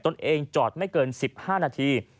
ตนเองจอดไม่เกิน๑๕นาที